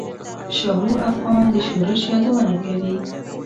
شاهو افغان د شورش یادونه کوي.